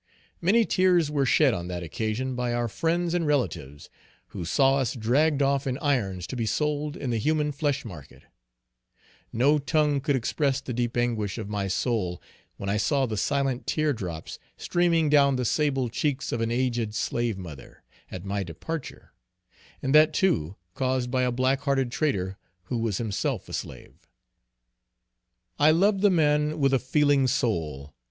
Many tears were shed on that occasion by our friends and relatives, who saw us dragged off in irons to be sold in the human flesh market. No tongue could express the deep anguish of my soul when I saw the silent tear drops streaming down the sable cheeks of an aged slave mother, at my departure; and that too, caused by a black hearted traitor who was himself a slave: "I love the man with a feeling soul.